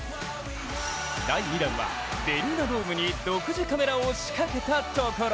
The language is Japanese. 第２弾はベルーナドームに独自カメラを仕掛けたところ、